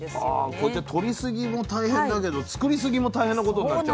こうやって取り過ぎも大変だけど作り過ぎも大変なことになっちゃうと。